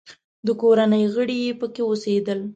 د کورنۍ غړي یې پکې اوسېدل.